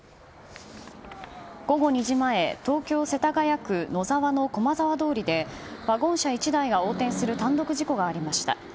午後２時前東京・世田谷区野沢の駒沢通りでワゴン車１台が横転する単独事故がありました。